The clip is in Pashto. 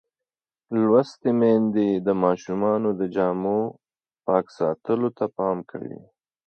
لوستې میندې د ماشومانو د جامو پاک ساتلو ته پام کوي.